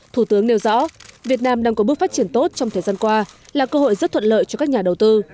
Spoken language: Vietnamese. thủ tướng nêu rõ việt nam đang có bước phát triển tốt trong thời gian qua là cơ hội rất thuận lợi cho các nhà đầu tư